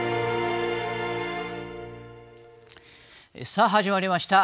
さあ、始まりました。